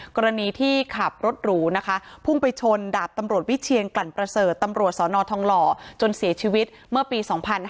กรณีที่ขับรถหรูนะคะพุ่งไปชนดาบตำรวจวิเชียนกลั่นประเสริฐตำรวจสนทองหล่อจนเสียชีวิตเมื่อปี๒๕๕๙